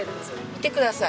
見てください。